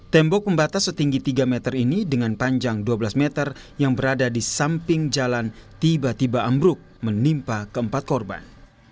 tembok pembatas setinggi tiga meter ini dengan panjang dua belas meter yang berada di samping jalan tiba tiba ambruk menimpa keempat korban